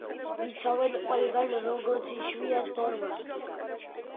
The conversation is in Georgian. იცავენ ყველგან როგორც იშვიათ ფორმას.